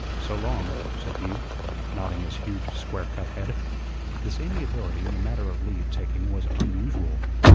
"So long," said he, nodding his huge square cut head. This amiability in the matter of leave taking was unusual.